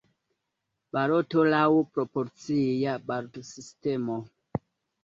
Baloto laŭ proporcia balotsistemo.